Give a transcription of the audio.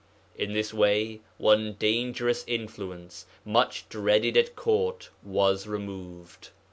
In this way one dangerous influence, much dreaded at court, was removed.